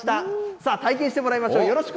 さあ、体験してもらいましょう。